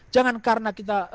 jangan karena kita